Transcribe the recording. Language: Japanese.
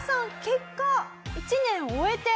結果１年終えて。